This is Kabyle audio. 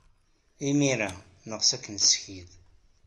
Imir-a, neɣs ad k-nessekyed.